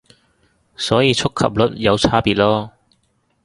所以觸及率有差別囉